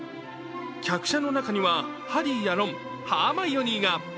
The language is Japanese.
客車の中にはハリーやろん、ハーマイオニーが。